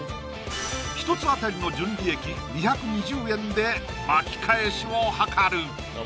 １つ当たりの純利益２２０円で巻き返しを図る！